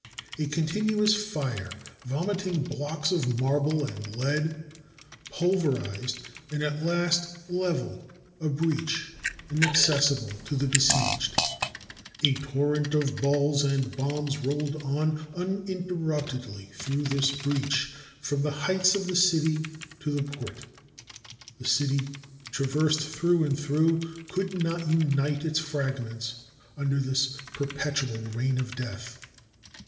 A continuous fire, vomiting blocks of marble and lead, pulverized, and at last leveled a breach inaccessible to the besieged. A torrent of balls and bombs rolled uninterruptedly through this breach from the heights of the city to the port. The city, traversed through and through, could not unite its fragments un der this perpetual reign of death.